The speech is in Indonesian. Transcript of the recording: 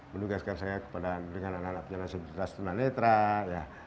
menugaskan saya kepada menjaga penyandang disabilitas penarungi